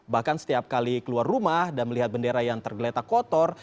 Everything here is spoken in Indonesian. bahkan setiap kali keluar rumah dan melihat bendera yang tergeletak kotor